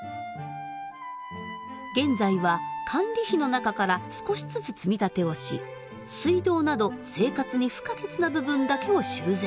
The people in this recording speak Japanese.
現在は管理費の中から少しずつ積み立てをし水道など生活に不可欠な部分だけを修繕。